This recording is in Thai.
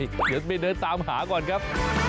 อยากได้เดินตามหาก่อนครับ